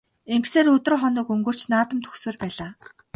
Ингэсээр өдөр хоног өнгөрч наадам дөхсөөр байлаа.